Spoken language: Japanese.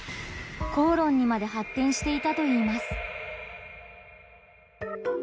口論にまで発展していたといいます。